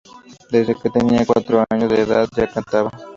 Desde que tenía cuatro años de edad ya cantaba.